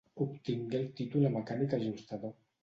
Obtingué el títol a mecànic ajustador.